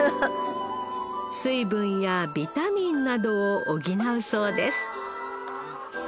水分やビタミンなどを補うそうです